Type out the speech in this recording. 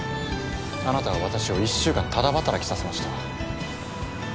あなたは私を１週間タダ働きさせました。